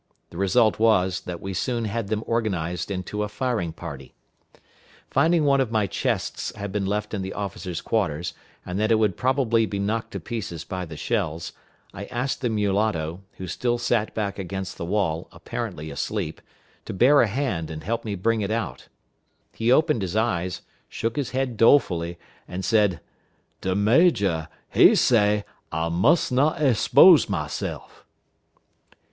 The result was, that we soon had them organized into a firing party. Finding one of my chests had been left in the officers' quarters, and that it would probably be knocked to pieces by the shells, I asked the mulatto, who still sat back against the wall, apparently asleep, to bear a hand and help me bring it out. He opened his eyes, shook his head dolefully, and said, "De major, he say, I muss not expose myself."